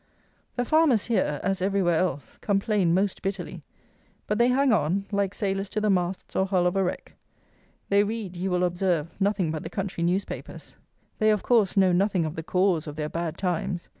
The farmers here, as every where else, complain most bitterly; but they hang on, like sailors to the masts or hull of a wreck. They read, you will observe, nothing but the country newspapers; they, of course, know nothing of the cause of their "bad times."